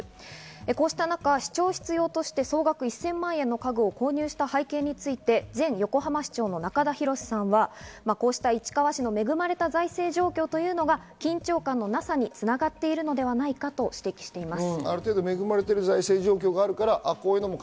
こうした中、市長室用として総額１０００万の家具を購入した背景について前横浜市長の中田宏さんはこうした市川市の恵まれた財政状況というのが緊張感のなさに繋がっているのではないかと指摘しています。